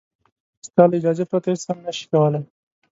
ستا له اجازې پرته هېڅ هم نه شي کولای.